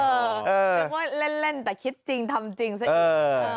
นึกว่าเล่นแต่คิดจริงทำจริงซะอีก